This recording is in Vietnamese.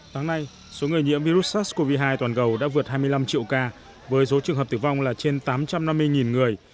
tháng nay số người nhiễm virus sars cov hai toàn cầu đã vượt hai mươi năm triệu ca với số trường hợp tử vong là trên tám trăm năm mươi người